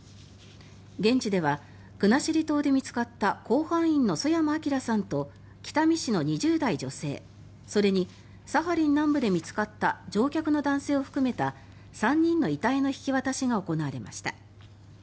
現地では国後島で見つかった甲板員の曽山聖さんと北見市の２０代女性それにサハリン南部で見つかった乗客の男性を含めた３人の遺体の引き渡しが行われました。